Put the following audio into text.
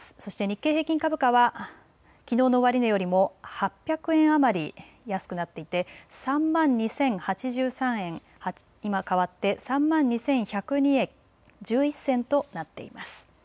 そして日経平均株価はきのうの終値よりも８００円余り安くなっていて今変わって３万２１０２円１１銭となっています。